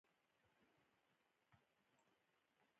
پملا په ژباړه نقد هم خپروي.